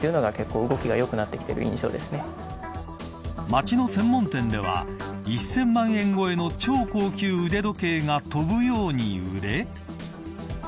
街の専門店では１０００万円超えの超高級腕時計が飛ぶように売れ。